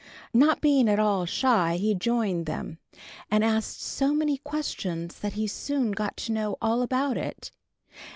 Not being at all shy, he joined them, and asked so many questions that he soon got to know all about it.